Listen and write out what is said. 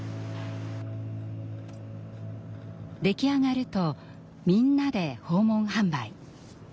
出来上がるとみんなで訪問販売。